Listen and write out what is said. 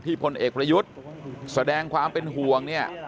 พลเอกประยุทธ์แสดงความเป็นห่วงเนี่ย